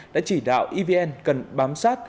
đã chỉ đạo evn cần bám sát